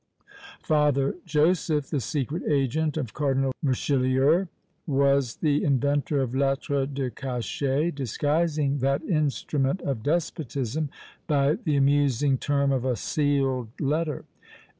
Father Joseph, the secret agent of Cardinal Richelieu, was the inventor of lettres de cachet, disguising that instrument of despotism by the amusing term of a sealed letter.